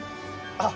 あっ！